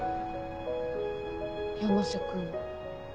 山瀬君